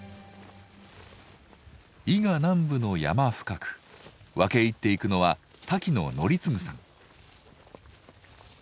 伊賀南部の山深く分け入っていくのは瀧野紀継さん。